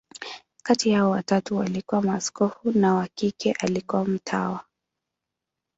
Kati yao, watatu walikuwa maaskofu, na wa kike alikuwa mtawa.